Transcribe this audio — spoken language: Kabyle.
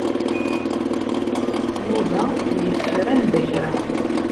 Yuba yeffer anda kra.